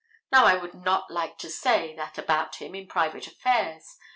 Now I would not like to say that about him in private affairs.